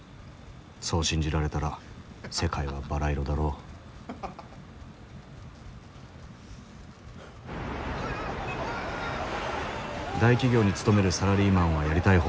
そう信じられたら世界はバラ色だろう大企業に勤めるサラリーマンはやりたい放題だ。